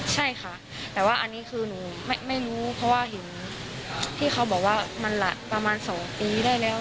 ใช่ค่ะแต่ว่าอันนี้คือหนูไม่รู้เพราะว่าเห็นที่เขาบอกว่ามันประมาณ๒ปีได้แล้ว